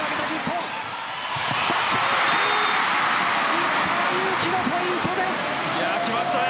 石川祐希のポイントです。